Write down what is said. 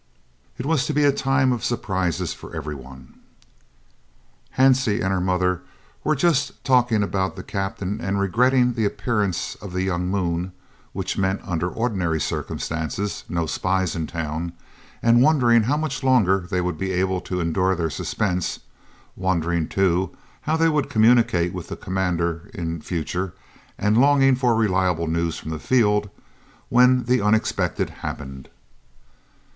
It was to be a time of surprises for every one. Hansie and her mother were just talking about the Captain and regretting the appearance of the young moon which meant under ordinary circumstances, no spies in town and wondering how much longer they would be able to endure their suspense wondering, too, how they would communicate with the Commander in future and longing for reliable news from the field when the unexpected happened.